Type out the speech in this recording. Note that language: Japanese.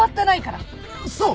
そう！